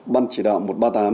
ban chỉ đạo một trăm ba mươi tám